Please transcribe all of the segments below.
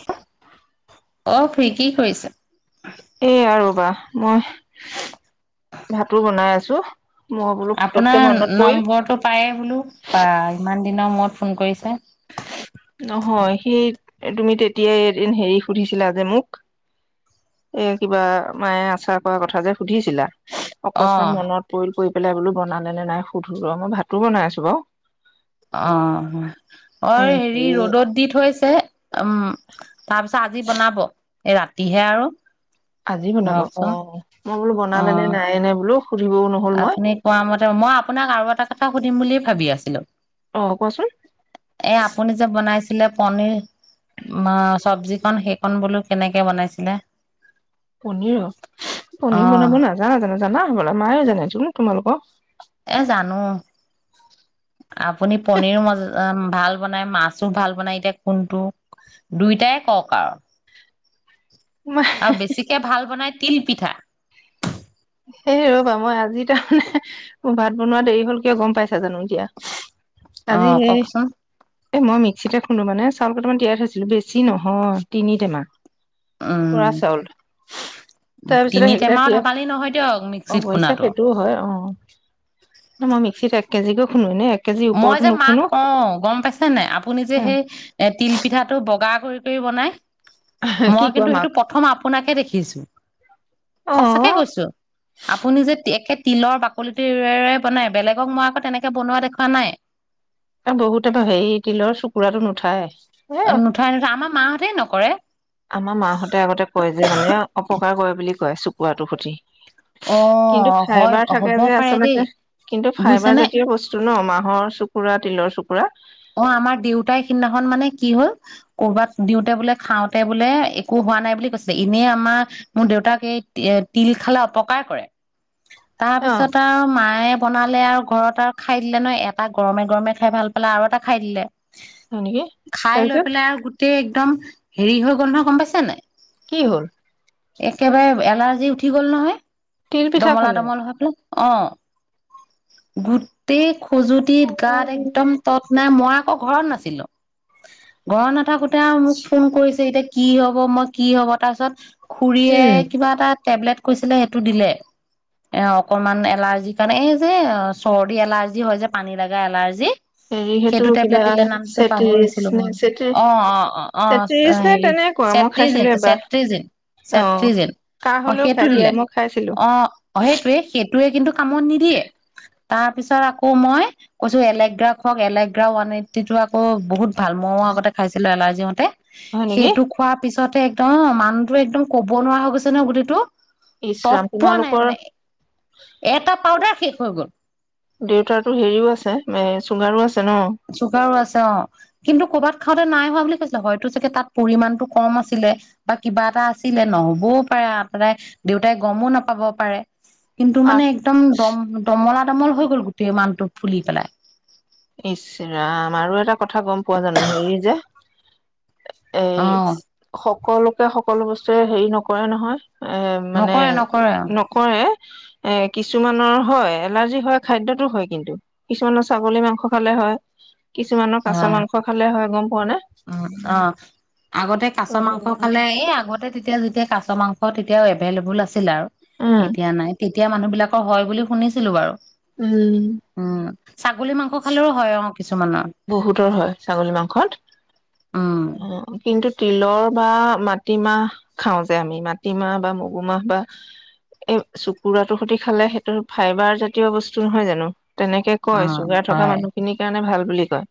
শ অ ফি কি কৰিছা? এ আৰু বা মই ভাতো বনাই আছো। মই বোলো ফটককে আপোনাৰ মনত পৰিল নম্বৰটো পায়ে বোলো বা ইমান দিনৰ মূৰত ফোন কৰিছে। নহয় সি তুমি তেতিয়াই এদিন হেৰি সুধিছিলা যে মোক এই কিবা মায়ে আচা কৰা কথা যে সুধিছিলা অকসমান অ', মনত পৰিল পৰি পেলাই বোলো বনালে নে নাই সুধো মই ভাতো বনাই আছো বাৰ অ অ হেৰি ৰ'দত দি থৈছে যে উম তাৰপিছত আজি বনাব এই ৰাতিহে আৰু আজি বনাব অ ধৰকচোন মই বোলো বনালে নে অ', নাই নে বোলো সুধিবও নহল মই আপুনি কোৱা মতে মই আপোনাক আৰু এটা কথা সুধিম বুলিয়ে ভাবি আছো কি অ কোৱাচোন এ আপুনি যে বনাইছে পনিৰ চবজ কন সেইক বোলো কেনেকে বনাইছিলে পনীৰ পনিৰ অ', বনাব নাজানা জানো জানা ললে মায়ে জাইছো ন তোমালোকক এ জানো আপুনি পনীৰো ম ভাল বনাই মাছো ভাল বনাই এতিয়া কোনটো দুইটাই কওক আৰু মা আৰু বেছিকে ভাল বনাই তিলপিঠা সেই ৰবা মই আজি তাৰমানে মোৰ ভাত বনোৱা দেৰি হল কিয় গম পাইছা জানো এতিয়া অ আজি সেই কওকচোন এ মই মিক্সিতে খুন্দো মানে চাউল কেইটামমান তিয়াৰ থৈছিলো বেছি নহয় তিনি টেমা উম বৰা চাউল তাৰপিছত তিনি সেইকেইটা টেমাও দিয়ে ধেমালি নহয় দিয়ক মিক্সিত অৱশ্যে খুনাটো সেইটোও হয় অ ন মই মিক্সিত থাক কেজিক খোনোৱে এক কেজি মই ওপৰতো যে মাক নুখুন্দো কও গম পাইছে নে আপুনি যে সেই এ তিল পিঠাটো বগা কৰি কৰি বনাই কি মই কোৱা কিন্তু সেইটো মাক প্ৰথম আ আপোনাকে দেখিছোঁ অ সঁচাকে কৈছো আপুনি যে একে তিলৰ বাকলি টো ৰে বনাই বেলেগক মই আকৌ তেনেকে বনোৱা দেখো পানায় বহুতে হেৰি তিলৰ চুকুৰাতটো নুঠায় এ নুঠাই নুঠাই আমাৰ মাহঁতেই নক কৰে আমাৰ মাহতে আগতে কয় যে মানে অপকাৰ কৰে বুলি কয় চুকুোৱাটো সুঠি অ কিন্তু হয় ফাইবাৰ থাকে হ'ব যে পাৰে দেই আচলতে কিন্তু ফাইবাৰ বুজিছেনে জাতীয় বস্তু নমাৰ হহৰ চুকুৰা তিলৰ চুকুৰা অ আমাৰ দেউতাই স সিদিনাখন মানে কি হল কৰবাত দিওঁতে বোলে খাওঁতে বোলে একো হোৱা নাই বুলি কৈছিলে এনেই আমাৰ মোৰ দেউতাক এই তিল খালে অপকাৰ কৰে তাৰ হয় পিছত আৰু মায়ে বনালে আৰু ঘৰত আৰু খাই দিলে ন এটা গৰমে গৰমে খাই ভাল পালে আৰু এটা খাইে নেকি খাই লৈ তাৰপিছত পেলাই আৰু গোটেই একদম হেৰি হৈ গন্ধ গম পাইছো নাই কি হল একেবাৰে এলাৰ্জি উঠি গ'ল নহয় তিল পিঠা ডমলা খালে দমল হ পাক অ গোটেই খজুতি গাত উম একদম তট মই আকৌ ঘৰত নাছিলো ঘৰত নাথাকো এতিয়া মোক ফোন কৰিছে এতিয়া কি হ'ব মই কি হ'ব তাৰপিছত খুৰীয়ে কিবা এটা টেবলেট কৈছিলে সেইটো দিলে অ অকণমান এলাৰ্জিৰ কাৰণে এই যে চৰ্দি এলাৰ্জি হয় যে পানী লগা এলাৰ্জি হেৰি সেইটো কিবা টেবলেট দিলে নামটো চেত্ৰিশ পাহৰিছিলো নে মই চেত্ৰি অ অ অ অ চেত্ৰিশ নে হেৰি তেনেকুৱা মই চেত্ৰিজিন খাইছিলো এবাৰ চেত্ৰিজিন অ চেত্ৰিজিন কাহ অ হলেও সেইটো খাই দিয়া দিলে মই খাইছিলো অ সেইটোৱে সেই এইতয়ে কিন্তু কামত নিদিয়ে তাৰপিছত আকৌ মই কৈছো বেলেগ ঔষধ বেলেগ ওৱান এইটটি টো আকৌ বহুত ভাল মইয়ো আগতে খাইছিলো এলাৰ্জি দিওঁতে হয় নেকি সেইটো খোৱাৰ পিছত তাতে একদম মানুহতো একদম ক'ব নোৱাৰা হৈ গৈছে নহয় গোটেইটো তত ইচৰাম পোৱা নাই তোমালোকৰ মানে এটা পাউদাৰ শেষ হৈ গ'ল দেউতাতো হেৰিও আছে এঁ চুগাৰো আছে ন চুগাৰো আছে অ কিন্তু কৰ'বাত খাওঁতে নাই হোৱা বুলি কৈছিলে হয়তো চাগে তাত পৰিমাণটো কম আছিলে বা কিবা এটা আছিলে নহ'বও পাৰে তাই দেউতাই গমো নাপাব পাৰে কিন্তু আহ মানে একদম দম দমৰাত কোমল হৈ গ'ল গোটেই মানুটো ফুলি পেলাই ইছৰাম আৰু এটা কথা গম পোৱা জানো হেৰি যে এ অ সক সকলোকে সকলো বস্তুৱে হেৰি নকৰে নহয় এ মানে নকৰে নকৰে নকৰে এ কিছুমানৰ হয় এলাৰ্জি হয় খাদ্যতো হয় কিন্তু কিছুমানৰ ছাগলী মাংস কলে হয় কিছুমানৰ কাছ মাংস খালে হয় গম পোৱানে উ অ আগতে কাছ মাংস খালে এই আগতে তেতিয়া যেতিয়া কাছ কাছ মাংস তেতিয়াও এভেইলএভুল আছিল আৰু এতিয়া নাই তেতিয়া এতিয়া মানুহ বিলাকৰ হয় বুলি শুনিছিলো বাৰু উম উম, ছাগলী মাংস খালেও হয় অ কিছুমানৰ বহুতৰ হয় ছাগলী মাংসত উম, কিন্তু তিলৰ বা মাটিমাহ খাও যে আমি মাটিমাহ বা মগু মাহ বা এই চুকুৰাটোৰ সৈতে খালে সেইটো ফাইবাৰ জাতীয় বস্তু নহয় জানো তেনেকে কয় অ', চুগাৰ থকা হয় মানুহ খিনিৰ কাৰণে ভাল হয়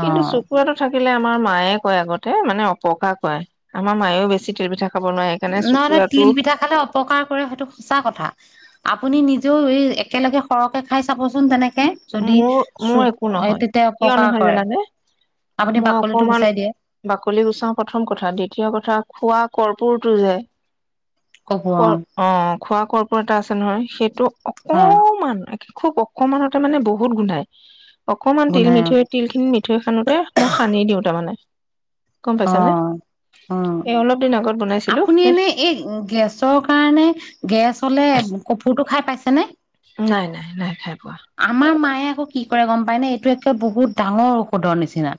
কিন্তু অ', চকুুৱাটো থাকে কিলে আমাৰ মায়ে কয় আগতে মানে অপকাৰ কয় আমাৰ মায়েও বেছি তিলপিঠা নহয় নহয় তিল পিঠা খালে অপকাৰ কৰে সেইটো সঁচা কথা আপুনি নিজ এই একেলগে সৰহকে খাই চাবচোন তেনেকে যদি মোৰ মোৰ চুপ একো এই নহয় তেতিয়া কিয় অপকাৰ নহয় কৰে জানানে আপুনি মই বাকলিটো অকমান গুচাই দিয়ে বাকলি গুচাও প্ৰথম কথা দ্বিতীয় কথা খোৱা কৰ্পুৰটো যে ক অ খোৱা কৰ্প এটা আছে নহয় সেই দু হয় অকমান নি খুব অকমান মানে বহুত গোন্ধাই অকনমান তিল গোন্ধাই অ', মিঠৈ তিল খিনি মিঠৈ হানোতে মই সানি দিওঁ তাৰমানে গম অ পাইছানে অ এই অলপ দিন আগত বনাইছিলো আপুনি এ এনে এই গেছৰ কাৰণে গেছ হলে কফোৰটো খাই পাইছে এনে নাই নাই নাই খাই পোৱা আমাৰ মায়ে তাই আকৌ কি কৰে গম পায় নে এইটো একে বহুত ডাঙৰ ঔষধৰ নিচিনা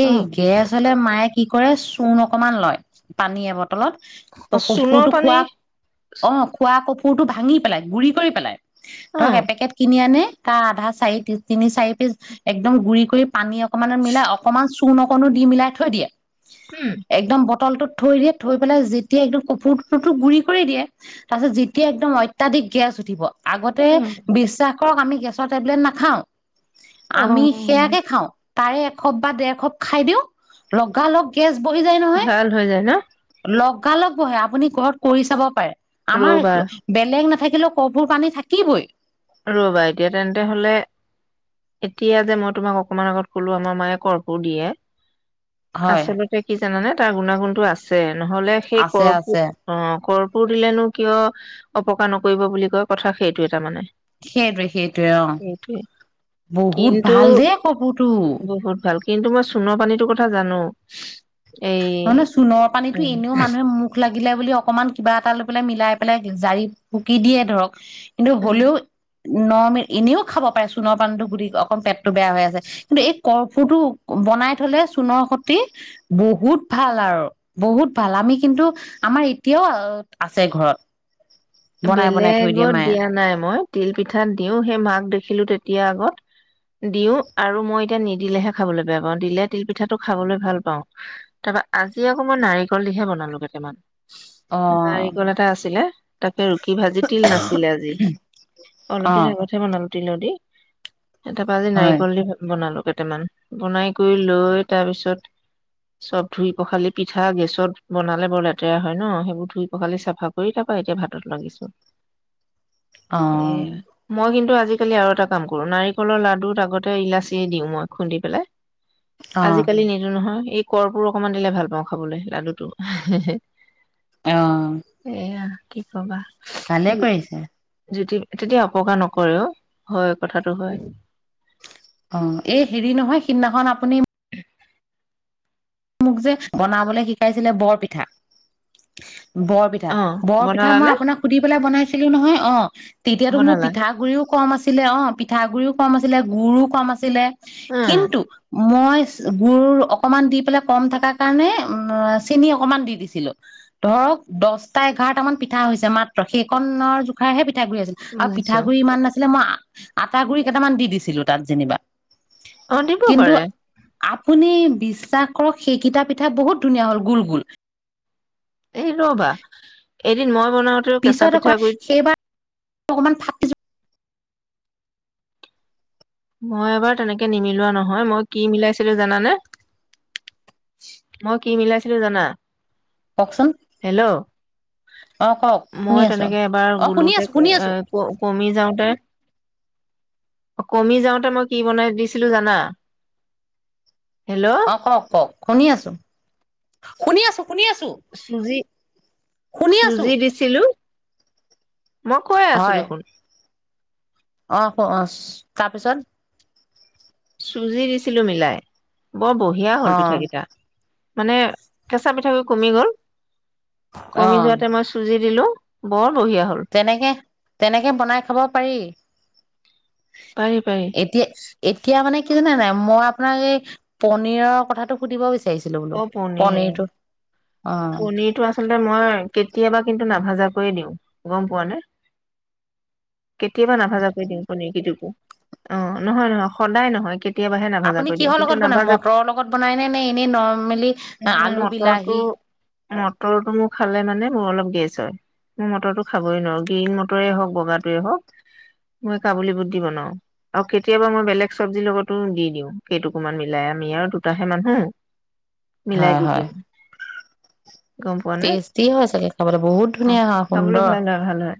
এই গেছ হ'লে মায়ে কি কৰে চূণ অকমান লয় পানী এবত অলপ অ চূণৰ কাপোৰটো পানী খোৱা অ খোৱা কাপোৰটো ভাঙি পেলাই গুৰি কৰি পেলাই উম, তক এপেকেট কিনি আনে ত আধা চাৰি তিনি চাৰি পিচ একদম গুৰি কৰি পানী অকনমান মিলাই অকনমান চূণ অকনো দি মিলাই থৈ দিয়ে হুম একদম বটলটোত থৈ দিয়ে থৈ পেলাই যেতিয়া একদম কাপোৰটোো গুৰি কৰি দিয়ে তাৰ পিছত যেতিয়া একদম অত্যাধিক গেছ উঠিব আগতে উম, বিশ্বাস কক আমি গেছৰ টেবলেট নাখাওঁ অ', আমি সেয়াকে খাওঁ তাৰে এসপ বা ডেৰশপ খাই দিওঁ লগালগ গেছ বহি যায় নহয় ভাল হৈ যায় ন? লগালগ বহে আপুনি ঘৰত কৰি চাব পাৰে। আমাৰ ৰ'বা, বেলেগ নাথাকে [unintelligible] কৰ্ফোৰ পানী থাকিবই। ৰবা এতিয়া তেন্তে হলে এতিয়া যে মই তোমাক অকমান আগত কলো আমাৰ মায়ে কৰ্ফোৰ দিয়ে। হয় আচলতে কি জানানে তাৰ গুণাগুণতটো আছে নহ'লে সেই আছে কৰপু আছে অ, কৰ কপোৰ দিলেনো কিয় অপকাৰ নকৰিব বুলি কয় কথা সেইটোৱে তাৰ মানে। [unintelligible] সেইটোৱে অ', সেইটোৱে বহুত কিন্তু ভাল দেই কফোৰটো। বহুত ভাল কিন্তু মই চুণৰ পানীৰটো কথা জানো। এই নহয় নয় চোণৰ পানীতো উম, এনেও মানুহে মুখ লাগিলে বুলি, অকমান কিবা এটা লৈ পেলাই মিলাই। [unintelligible] জাৰি ফুকি দিয়ে ধৰক। কিন্তু উম, হ'লেও নৰম এনেও খাব পাৰে চোণৰ পানটো বুলি অকণ পেট। টো বেয়া হৈ আছে, কিন্তু এই কৰ্ফোটো বনাই থলে চোণৰ সটি বহুত ভাল আৰু বহুত ভাল আমি কিন্তু আমাৰ এতিয়াও আছে ঘৰত। বনাই বনাই থৈ দিয়ে বেলেগত মায়ে দিয়া নাই মই তিল পিঠাত দিওঁ সেই মাক দেখিলো তেতিয়া আগত দিও আৰু মই এতিয়া নিদিলেহে খাবলৈ বেয়া পাওঁ দিলে তিল পিঠাটো খাবলৈ ভাল পাওঁ তাৰপা আজি আকৌ মই নাৰিকল দিহে বনালো কেইটামান। অ নাৰিকল এটা আছিলে তাকে কি ভাজি তিল নাছিলে আজি অলপ অ দিন আগতহে বনালো তিল দি তাৰপা আজি হয় নাৰিকল দি বনালো। কেইটামান বনাই কৰি লৈ তাৰ পিছত, চব ধুই পখালি পিঠা গেছত বনালে বৰ লেতেৰা হয় ন, সেইবোৰ ধুই পখালি চাফা কৰি তাৰপা এতিয়া ভাত লাগিছো অ এয়া মই কিন্তু আজি আজিকালি আৰু এটা কাম কৰো নাৰিকলৰ লাডুুট আগতে ইলাচি দিওঁ মই খুন্দি পেলাই। অ আজিকালি নিদো নহয়। এই কৰ্পোৰ অকমান দিলে ভাল পাওঁ খাবলৈ লাডুটো। অ এয়া কি ক'বা ভালে কৰিছে। জুতি তেতিয়া অপকাৰ নকৰেও। হয় কথাটো হয়। অ এই হেৰি নহয়, সিদিনাখন আপুনি মোক যে বনাবলৈ শিকাইছিলে বৰপিঠা বৰপিঠা অ বৰ পিঠা মই বনালানে আপোনাক সুধি পেলাই বনাই আছিলোঁ নহয় অ। তেতিয়াতো মোৰ বনালা পিঠা গুড়িও কম আছিলে অ পিঠা গুড়িও কম আছিলে, গুড়ু কম আছিলে। উম কিন্তু মই--গুড় অকমান দি পেলাই কম থকা কাৰণে উম--চেনি অকমান দি দিছিলোঁ। ধৰক দহটা এঘাৰটা মান পিঠা হৈছে মাত্ৰ সেইকনৰ জোখাৰহে পি পিঠাগুৰি আছিল আৰু বুজিছো পিঠাগুৰি ইমান নাছিলে মই আ আটা গুৰি কেইটামান দি দিছিলোঁ তাত যেনিবা। অ দিব পাৰে। কোনে বিশ্বাস কৰক সেইকেইটা পিঠা বহুত ধুনীয়া হ'ল গোল গোল। এই ৰ'বা। এদিন মই বনাওতেও কেঁচা পিছত আকৌ পিঠাগুৰিত সেইবাৰ অকমান ফাটি যো মই এবাৰ তেনেকে নিমিলোৱা নহয়, মই কি মিলাইছিলো জানানে? মই কি মিলাইছিলো জানা? যোৱা কওকচোন হেল্ল' অ কওক শুনি মই আছো তেনেকে এবাৰ অ শুনি গলোতে আছো শুনি এ আছো ক-কমি যাওঁতে কমি যাওঁতে মই কি বনাই দিছিলোঁ জানা? হেল্ল' অ কওক কওক শুনি আছোঁ শুনি আছোঁ শুনি আছো চুজি--চুজি দিছিলোঁ। মই কৈ আছোঁ দেখোন। অহ ক অচ তাৰপিছত চুজি দিছিলোঁ মিলাই। বৰ বঢ়িয়া হ'ল অ পিঠা কেইটা। মানে, কেঁচা পিঠাবোৰ কমি গ'ল। কমি যোৱাতে মই চুজি দিলোঁ। বৰ বঢ়িয়া হ'ল তেনেকে--তেনেকে বনাই খাব পাৰি। পাৰি পাৰি এতিয়া-এতিয়া মানে কি জানে নাই মই আপোনাক এই পনিৰৰ কথাটো সুধিব বিচাৰিো চাইছিলো বোলো পনীৰটোত পনীৰটো আচলতে মই কেতিয়াবা কিন্তু নাভাজাকৈয়ে দিওঁ গম পোৱা নে কেতিয়াবা নাভাজাকয় দিওঁ পনকিটো অ নহয় নহয় সদায় নহয় কেতিয়াবাহে নাভাজা আপুনি কৰি দিওঁ কিহৰ কিন্তু লগত বনায় নাভাজা মটৰৰ লগত বনাইনেে নে এনেই নৰ্মেলি আলু মটৰটো বিলাহী মটৰটো মোৰ খালে মানে মোৰ অলপ গেছ হয় মোৰ মটৰটো খাবই নোৱাৰো গ্ৰীণ মটৰে হওক বগাাটোৱে হওক মই কাবুলী বুট দি বনাও আৰু কেতিয়াবা মই বেলেগ চব্জিৰ লগতো দি দিওঁ সেইটোকুমান মিলাই আমি আৰু দুটাহে মানুহ মিলাই হয় দি হয় দিওঁ গম পোৱা নে টেষ্টি হয় চাগে খাবলৈ বহুত অ ধুনীয়া হয় খাবলৈ সুন্দৰ ভাল হয় ভাল হয়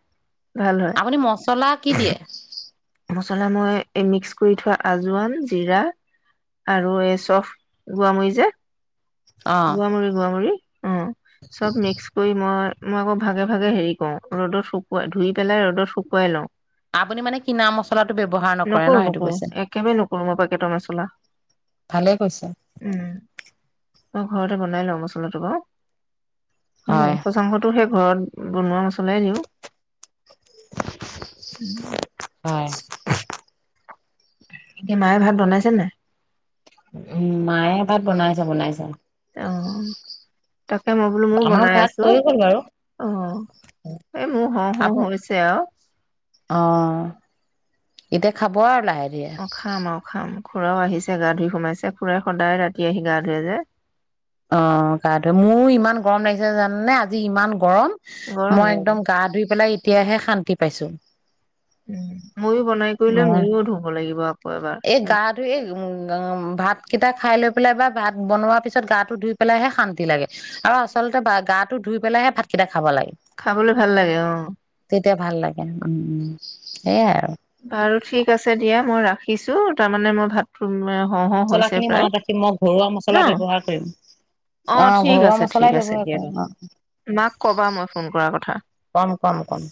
ভাল আপুনি মচলা কি দিয়ে মচলা মই এই মিক্স কৰি থোৱা আজোৱান জিৰা আৰু এই চফ গোৱা মৰি যে অ গোৱামৰিী গোৱামূৰিী অ চব মিক্স কৰি মই মই আকৌ ভাগে ভাগে হেৰি কৰওঁ ৰ'দত শুকুৱাই ধুই পেলাই ৰ'দত শুকুৱাই লওঁ আপুনি মানে কিীনা মচলাটো ব্যৱহাৰ নকৰে নকৰো ন সেইটো নকৰো কৈছে একেবাৰে নকৰো মই পেকেটৰ মছলা ভালেই কৈছো উম মই ঘৰতে বনাই লওঁ মছলাটো বাৰু উ হয় মাংস চাংসটোো সেই ঘৰত বনোৱা মছলাই দিওঁ উম হয় [unintelligible] এতিয়া মায়ে ভাত বনাইছে নে উম মায়ে এ ভাত বনাইছ বনাইছা অ', তাকে মই বোলো মোৰ আমাৰ বনাই ভাত আছো হৈ গ'ল বাৰু আহ এই মোৰ হ হ আপ হৈছে আৰু অ এতিয়া খাব আৰু লাহে ধীৰে অ খাম আও খাম খুৰাও আহিছে, গা ধুই সোমাইছে খুৰাই সদায় ৰাতি আহি গা ধুৱে যে অ গা ধোৱে, মোয়ো ইমান গৰম লাগিছে জানানে আজি ইমান গৰম গৰম মই হয়। একদম গা ধুই পেলাই তেতিয়াহে শান্তি পাইছোঁ উম, ময়ো বনাই কৰি লয় ইও ধুব লাগিব আকৌ এবাৰ এই গা ধুই এই উম ভাত কেইটা খাই লৈ পেলাই বা ভাত বনোৱা পিছত গাত ধুই পেলাইহে শান্তি লাগে, আৰু আচলতে গাটো ধুই পেলাইেহে ভাতকেইটা খাব লাগে খাবলৈ ভাল লাগে আহ তেতিয়া ভাল লাগে, উম উম সেয়াই আৰু বাৰু ঠিক আছে দিয়া মই ৰাখিছো, তাৰমানে মই ভাত- মছলা খিনি মনত ৰাখিম মই ঘৰুৱা ন? মছলা ব্যৱহাৰ কৰিম। অ', আহ ঠিক ঘৰুৱা আছে ঠিক মছলাই আছে ব্যৱহাৰ দিয়া। কৰিম, আহ মাক কবা মই ফোন কৰাৰ কথা। কম কম কম